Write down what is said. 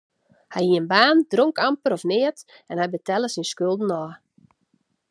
Hy hie in baan, dronk amper of neat en hy betelle syn skulden ôf.